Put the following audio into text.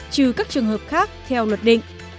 trừ các trường hợp khác theo luật định